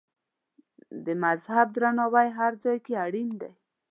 د مذهب درناوی هر ځای کې اړین دی.